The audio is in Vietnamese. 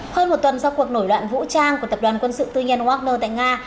hơn một tuần sau cuộc nổi loạn vũ trang của tập đoàn quân sự tư nhân wagner tại nga